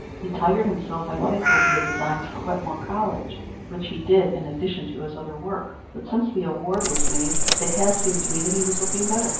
He tired himself, I think, over the designs for Wetmore College, which he did in addition to his other work. But since the award was made it has seemed to me that he was looking better."